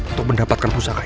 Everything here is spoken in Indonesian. untuk mendapatkan pusaka itu